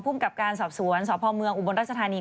ภูมิกับการสอบสวนสอบภอมเมืองอุบลราชธานี